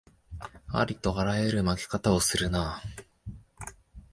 ありとあらゆる負け方をするなあ